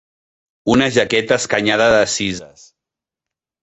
Una jaqueta escanyada de cises.